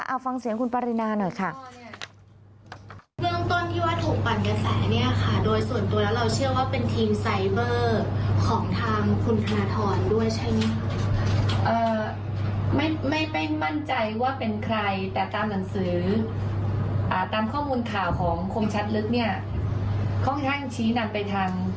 เอาฟังเสียงคุณปรินาหน่อยค่ะ